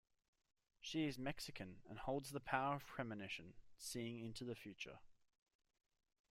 She is Mexican and holds the power of premonition, seeing into the future.